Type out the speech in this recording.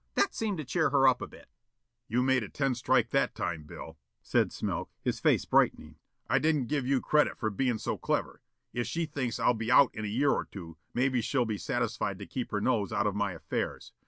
That seemed to cheer her up a bit." "You made a ten strike that time, Bill," said Smilk, his face brightening. "I didn't give you credit for bein' so clever. If she thinks I'll be out in a year or two, maybe she'll be satisfied to keep her nose out of my affairs.